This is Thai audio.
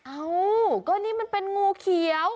เอ้าก็นี่มันเป็นงูเขียว